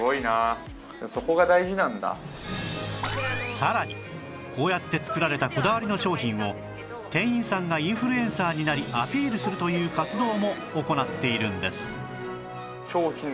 さらにこうやって作られたこだわりの商品を店員さんがインフルエンサーになりアピールするという活動も行っているんです